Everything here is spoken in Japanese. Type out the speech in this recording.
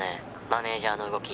「マネジャーの動き